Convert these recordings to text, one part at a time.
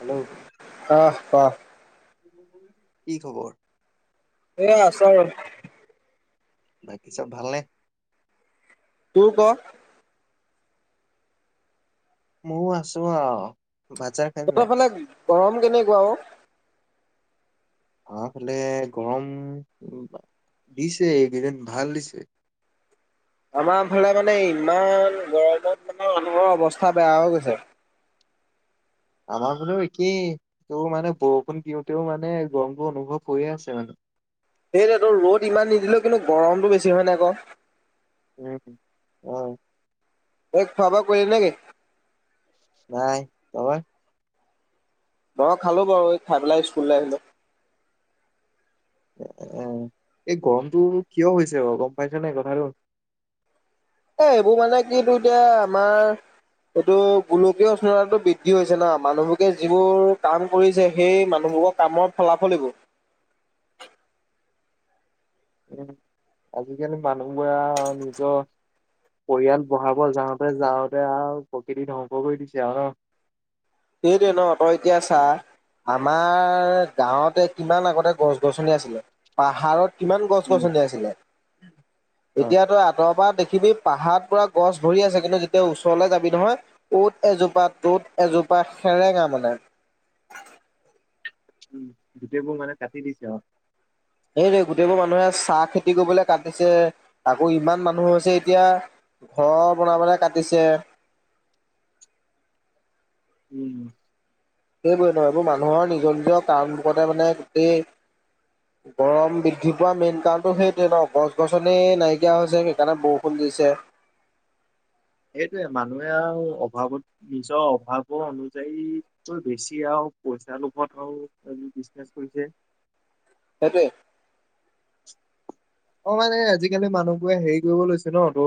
Hello আহ ক। কি খবৰ? এ আছো আৰু। বাকী চব ভালনে? তোৰ ক। মোৰ আছো আৰু। ভাত চাত খাই তহঁতৰ নাই? ফালে গৰম কেনেকুৱা অ'? আফালে গৰম দিছে, এইকেইদিন ভাল দিছে। আমাৰ ফালে মানে ইমান গৰমত মানুহৰ অৱস্থা বেয়া হৈ গৈছে। আমাৰ ফালেও একেই তোৰ মানে বৰষুণ দিওঁতেও মানে গৰমটো অনুভৱ হৈয়ে আছে মানে সেইটোৱেতো ৰ'দ ইমান নিদিলেও কিন্তু গৰমতটো বেছি হয় নাই ক উম অঁ ঐ খোৱা বোৱা কৰিলা নেকি নাই তই মই খালো বাৰু খাই পেলাই স্কুললৈ আহিলো এই গৰমটো কিয় হৈছে বাৰু গম পাইছ নে কথাটো এ এইবোৰ মানে কিটো এতিয়া আমাৰ এইটো গোলকীয় উষ্ণতাটো বৃদ্ধি হৈছে ন মানুহবোগে যিবোৰ কাম কৰিছে সেই মানুহবোৰৰ কামৰ ফলাফল এইবোৰ উম আজিকালি মানুহবোৰে নিজৰ পৰিয়াল বঢ়াব যাওঁতে যাওঁতে আৰু প্ৰকৃতি ধ্বংস কৰি দিছে আৰু সেইটোৱ ন তই এতিয়া চা আমাৰ গাঁৱতে কিমান আগতে গছ গছনি আছিলে পাহাৰত কিমান গছ ন উম গছনি আছিলে [inaudible] অ এতিয়াতো আঁতৰ পৰা দেখি দেখবি পাহাৰত পুৰা গছ ভৰি আছে কিন্তু যেতিয়া ওচৰলৈ যাবি নহয় অত এজোপা তত এজোপা প্ৰায় সেৰেঙা তাৰমানে গোটেইবোৰ মানে কাটি দিছে আৰু এইৰে গোটেইবোৰ মানুহে চাহ খেতি কৰিবলৈ কাটিছে আকৌ ইমান মানুহ হৈছে এতিয়া ঘৰ বনাবলৈ কাটিছে উম সেইবোৰে নহ এইবোৰ মানুহৰ নিজৰ নিজৰ কাৰণবোৰতে মানে গোটেই গৰম বৃদ্ধি পোৱা মেইন কাৰণতটো সেইটোৱে ন গছ গছনে নাইকিয়া হৈছে সেইকাৰণে বৰষুণ দিছে সেইটোয়ে মানুহে আৰু অভাৱত নিজৰ অভাৱৰ অনুযায়ীকৈ বেছি আৰু পইচাৰ লোভত আৰু বিজনেচ কৰিছে সেইটোৱে অঁ মানে আজিকালি মানুহবোৰে হেৰি কৰিব লৈছে ন ত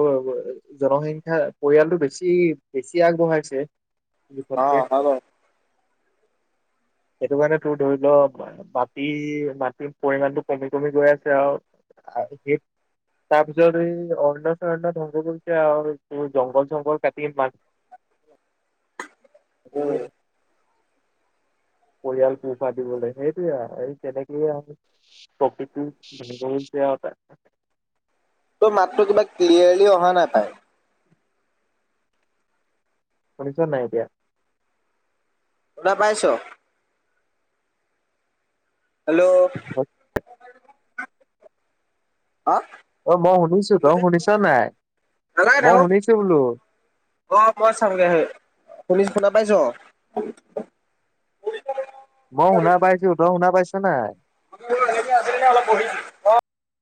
জনসংখ্যা পৰিয়ালটো বেছি বেছি আগবঢ়াইছে জোখতকে অঁ হয় বাৰু সেইটো কাৰণে তোৰ ধৰি ল মাটি মাটিৰ পৰিমণটো কমি কমি গৈ আছে আৰু স তাৰপিছত এই অৰয় চৰণ্য ধ্বংস কৰিছে আৰু তোৰ জংঘল চংঘল কাটি মাছ উম [unintelligible] পৰিয়াল পোহপাল দিবলৈ সেইটোয়ে এই কেনেকেয়ে আৰু [unintelligible] তোৰ মাতটো কিবা ক্লিয়াৰলি অহা নাইাপায় শুনিছ নাই এতিয়া টা পাইছ হেল্ল' অ মই শুনিছো তই কৈছে শুনিছা নাই নালাগে মই থাকক শুনিছো বোলো অ মই চামগে হে। শুনিছ শুনা পাইছ মই শুনা পাইছো তই শুনা পাইছো নাই আছিল অলপ বহিছ অ